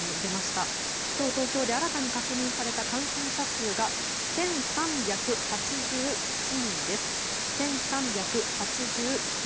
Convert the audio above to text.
今日東京で新たに確認された感染者数が１３８７人です。